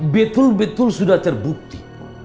betul betul sudah terbukti